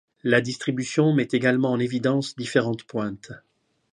La distribution met également en évidence différentes pointes.